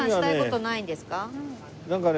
なんかね